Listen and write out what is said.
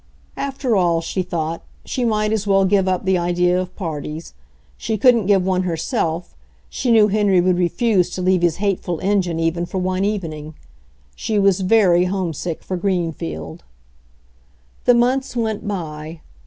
After all, she thought, she might as well give up the idea of parties. She couldn't give one her self ; she knew Henry would refuse to leave his hateful engine even for one evening. She was very homesick for Greenfield. The months went by.